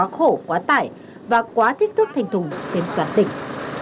quá khổ quá tải và quá thích thức thành thùng trên toàn tỉnh